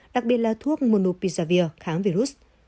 đặc biệt là thuốc monopizavir kháng virus